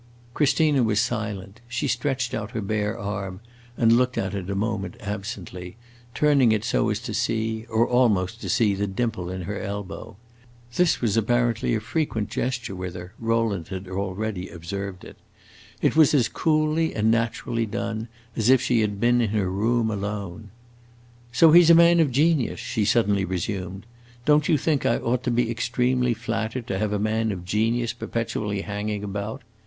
Christina was silent. She stretched out her bare arm and looked at it a moment absently, turning it so as to see or almost to see the dimple in her elbow. This was apparently a frequent gesture with her; Rowland had already observed it. It was as coolly and naturally done as if she had been in her room alone. "So he 's a man of genius," she suddenly resumed. "Don't you think I ought to be extremely flattered to have a man of genius perpetually hanging about?